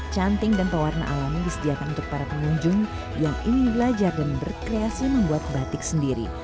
cantik dan pewarna alami disediakan untuk para pengunjung yang ingin belajar dan berkreasi membuat batik sendiri